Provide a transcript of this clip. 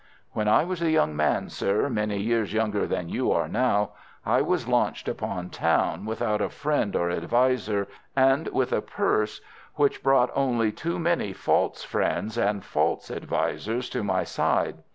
"When I was a young man, sir, many years younger than you are now, I was launched upon town without a friend or adviser, and with a purse which brought only too many false friends and false advisers to my side.